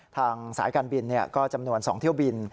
ทางสายการบินก็จำนวน๒เที่ยวบิน